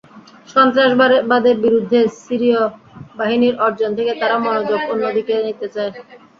সন্ত্রাসবাদের বিরুদ্ধে সিরীয় বাহিনীর অর্জন থেকে তারা মনোযোগ অন্যদিকে নিতে চায়।